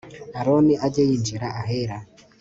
aroni ajye yinjira ahera